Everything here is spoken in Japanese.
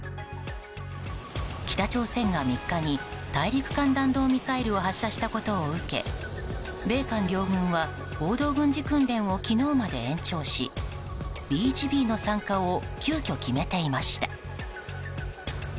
北朝鮮が３日に大陸間弾道ミサイルを発射したことを受け、米韓両軍は合同軍事訓練を昨日まで延長しＢ１Ｂの参加を急きょ決めていました。